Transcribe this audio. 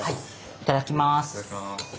いただきます。